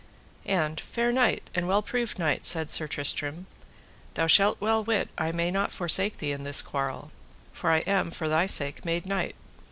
And fair knight, and well proved knight, said Sir Tristram, thou shalt well wit I may not forsake thee in this quarrel, for I am for thy sake made knight.